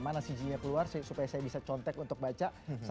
mana si jin nya keluar supaya saya bisa contek untuk baca